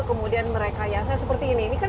kemudian merekayasa seperti ini ini kan